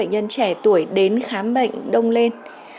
dân trẻ tuổi đến khám bệnh đông lên